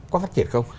có phát triển không